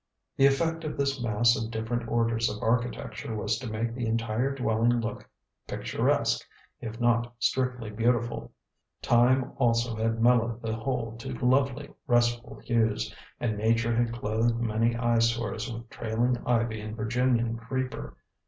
The effect of this mass of different orders of architecture was to make the entire dwelling look picturesque, if not strictly beautiful. Time also had mellowed the whole to lovely restful hues, and Nature had clothed many eye sores with trailing ivy and Virginian creeper.